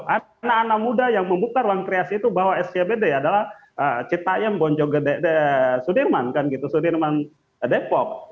anak anak muda yang membuka ruang kreasi itu bahwa scbd adalah citaim bonjogedepok